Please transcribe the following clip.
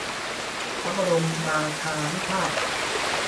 พระบรมราชานุภาพ